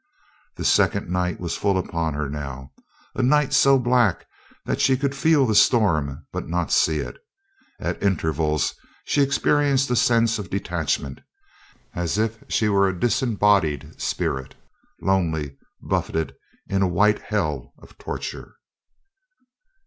The second night was full upon her now a night so black that she could feel the storm, but not see it. At intervals she experienced a sense of detachment as if she were a disembodied spirit, lonely, buffeted in a white hell of torture.